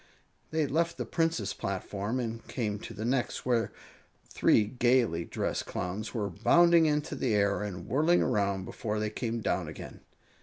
They left the Prince's platform and came to the next, where three gaily dressed Clowns were bounding into the air and whirling around before they came down again.